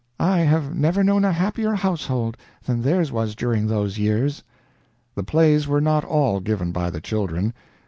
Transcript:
I have never known a happier household than theirs was during those years." The plays were not all given by the children.